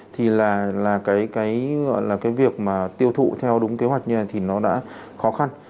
thì là cái việc mà tiêu thụ theo đúng kế hoạch như thế này thì nó đã khó khăn